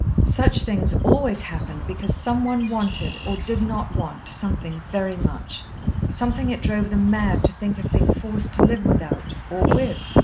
Such things always happened because some one wanted, or did not want, something very much, something it drove them mad to think of being forced to live without, or with.